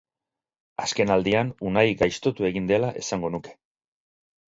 Azkenaldian Unai gaiztotu egin dela esango nuke.